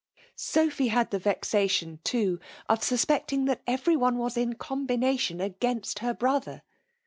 •'*^ •S3phy had the vexation, too, of suspecting' that every one was in combination against her ' bi'other.